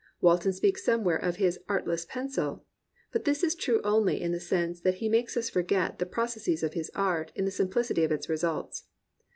Walton speaks somewhere of his "artless pencil"; but this is true only in the sense that he makes us forget the proc esses of his art in the simplicity of its results.